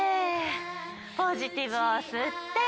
ポジティブをすって。